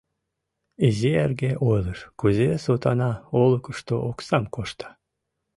Изи эрге ойлыш, кузе Сотана олыкышто оксам кошта.